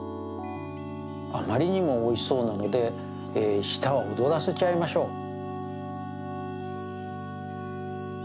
あまりにもおいしそうなのでしたはおどらせちゃいましょう。